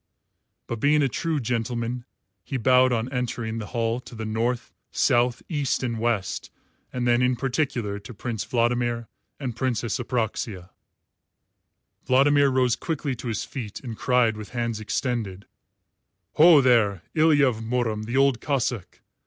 But being a true gentleman, he bowed on entering the hall to the North, South, East, and West, and then in particular to Prince Vladimir and Princess Apraxia. Vladimir rose quickly to his feet and cried with hands extended, "Ho, there, Ilya of Murom the Old Cossáck.